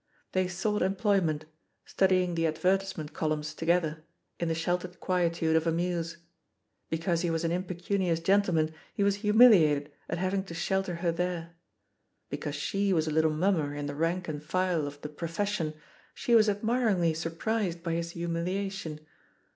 They sought employment, studying the advertisement columns together, in the sheltered quietude of a mews. Because he was an impecunious gentleman he was humiliated at having to shelter her there. Because she was a little mummer in the rank and file of "the pro fession" she was admiringly surprised by his humiliation.